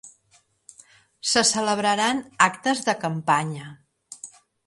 Se celebraran actes de campanya